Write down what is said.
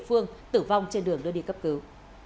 phương tử vong trên đường đưa đi cấp cứu